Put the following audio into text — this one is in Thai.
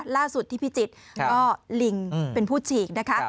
ล่าสุดที่พิจิตรก็ลิงเป็นผู้ฉีกนะคะ